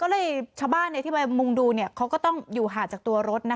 งหาบ้านที่มุ่งดูก็ต้องอยู่หากตัวรถ